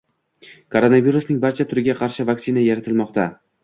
Koronavirusning barcha turiga qarshi vaksina yaratilmoqda